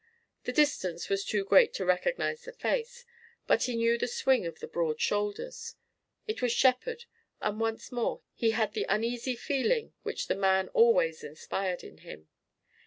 The distance was too great to recognize the face, but he knew the swing of the broad shoulders. It was Shepard and once more he had the uneasy feeling winch the man always inspired in him.